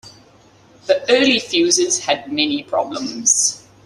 The early fuses had many problems.